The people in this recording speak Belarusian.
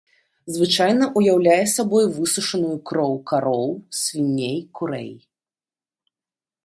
Звычайна ўяўляе сабой высушаную кроў кароў, свіней, курэй.